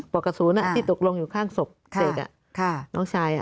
อกกระสุนที่ตกลงอยู่ข้างศพเด็กน้องชาย